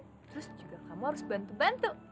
terus juga kamu harus bantu bantu